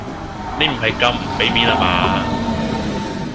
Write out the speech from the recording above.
你唔係咁唔俾面呀嘛？